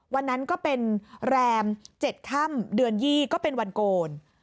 วันนั้นก็เป็นแรม๗ค่ำเดือน๒ก็เป็นวันโกน